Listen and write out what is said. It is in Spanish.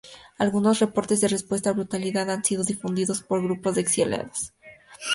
Algunos reportes de supuesta brutalidad han sido difundidos por grupos de exiliados tibetanos.